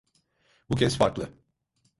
Bu kez farklı.